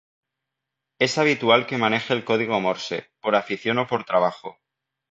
Es habitual que maneje el código Morse, por afición o por trabajo.